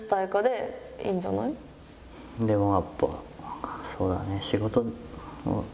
でもやっぱそうだね。